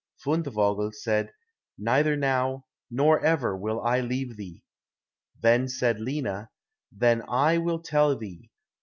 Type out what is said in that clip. Fundevogel said, "Neither now, nor ever will I leave thee." Then said Lina, "Then I will tell thee.